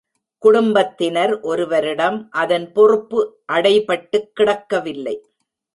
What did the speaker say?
குடும்பத்தினர் ஒருவரிடமும், அதன் பொறுப்பு அடைபட்டுக் கிடக்கவில்லை.